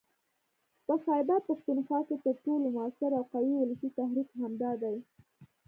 په خيبرپښتونخوا کې تر ټولو موثر او قوي ولسي تحريک همدا دی